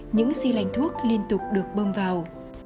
những si lành thuốc liên tục được bơm vào